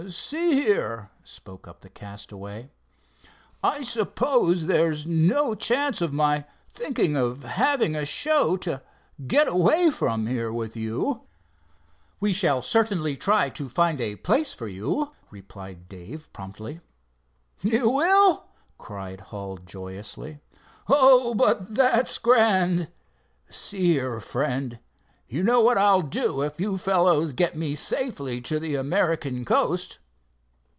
"See here," spoke up the castaway; "I suppose there's no chance of my thinking of having a show to get away from here with you?" "We shall certainly try to find a place for you," replied Dave, promptly. "You will?" cried Hull, joyously. "Oh, but that's grand! See here, friend, you know what I'll do if you fellows get me safely to the American coast?"